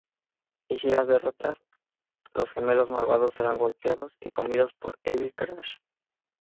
Y si lo derrotas, Los Gemelos Malvados serán golpeados y comidos por Evil Crash.